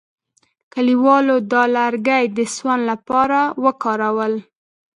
کلیوالو دا لرګي د سون لپاره وکارول.